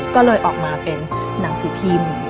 ก็เลยออกมาเป็นหนังสือพิมพ์